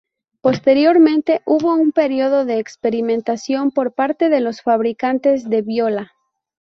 Posteriormente hubo un período de experimentación por parte de los fabricantes de viola.